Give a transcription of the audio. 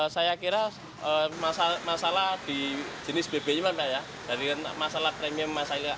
saya kira masalah di jenis bb nya masalah premium